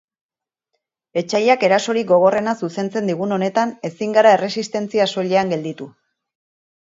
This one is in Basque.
Etsaiak erasorik gogorrena zuzentzen digun honetan ezin gara erresistentzia soilean gelditu.